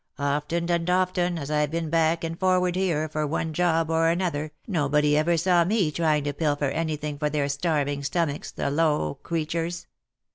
" Often and often, as I've been back and forward here, for one job or another, nobody ever saw me trying to pilfer any thing for their starving stomachs, the low creturs